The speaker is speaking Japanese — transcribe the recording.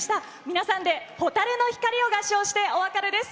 皆さんで「蛍の光」を合唱してお別れです。